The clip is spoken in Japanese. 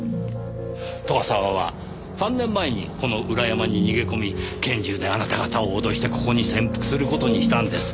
沢は３年前にこの裏山に逃げ込み拳銃であなた方を脅してここに潜伏する事にしたんです。